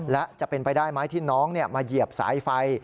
และจะเป็นไปได้ไหมที่น้องมาเหยียบสายไฟ